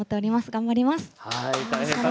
頑張ります。